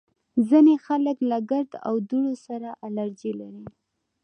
ځینې خلک له ګرد او دوړو سره الرژي لري